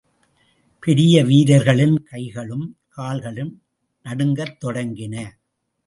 பெரிய வீரர்களின் கைகளும், கால்களும் நடுங்கத் தொடங்கின.